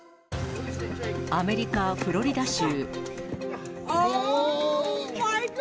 アメリカ・フロリダ州。